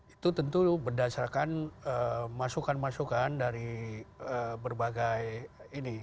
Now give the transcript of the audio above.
itu tentu berdasarkan masukan masukan dari berbagai ini